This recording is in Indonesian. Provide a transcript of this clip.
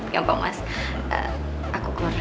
gampang mas aku keluar dulu